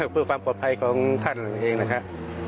เพื่อความปลอดภัยของท่านเองนะครับ